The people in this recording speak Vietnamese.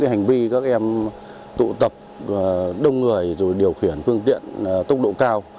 hành vi các em tụ tập đông người rồi điều khiển phương tiện tốc độ cao